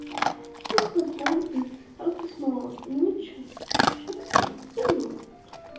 Cook was born Kathy Smallwood in Winchester, Hampshire, England.